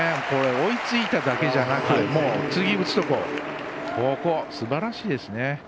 追いついただけじゃなく次打つとこ、すばらしいですね。